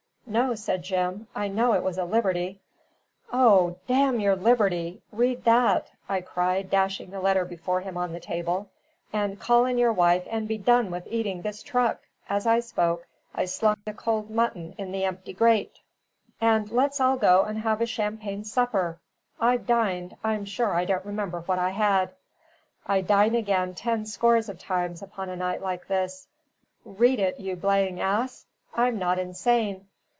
"No," said Jim. "I know it was a liberty " "O, damn your liberty! read that," I cried, dashing the letter before him on the table, "and call in your wife, and be done with eating this truck " as I spoke, I slung the cold mutton in the empty grate "and let's all go and have a champagne supper. I've dined I'm sure I don't remember what I had; I'd dine again ten scores of times upon a night like this. Read it, you blaying ass! I'm not insane.